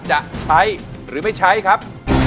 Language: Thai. จะใช้หรือไม่ใช้ครับ